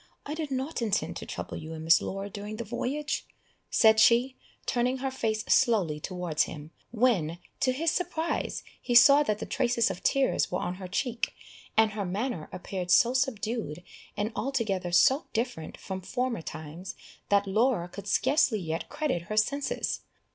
I did not intend to trouble you and Miss Laura during the voyage," said she, turning her face slowly towards him, when, to his surprise, he saw that the traces of tears were on her cheek, and her manner appeared so subdued, and altogether so different from former times, that Laura could scarcely yet credit her senses.